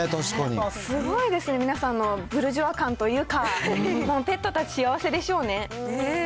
すごいですね、皆さんのブルジョワ感というか、もうペット達、幸せでしょうね。